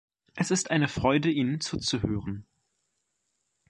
Es ist eine Freude, Ihnen zuzuhören.